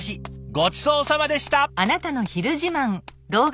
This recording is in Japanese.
ごちそうさまでした。